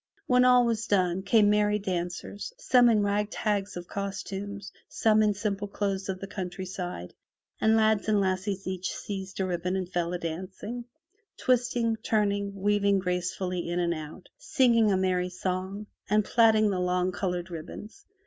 When all was done, came merry dancers, some in rag tags of costumes, some in simple clothes of the countryside, and lads and lassies each seized a ribbon and fell a dancing — twisting, turning, weaving gracefully in and out, singing a merry song, and plaiting the long colored ribbons.